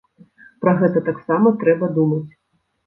Пра гэта таксама трэба думаць.